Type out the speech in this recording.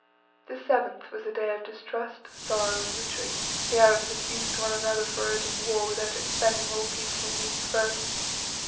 The 7th was a day of distrust, sorrow, and retreat; the Arabs accused one another for urging war without expending all peaceful means first.